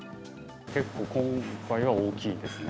結構今回は大きいですね。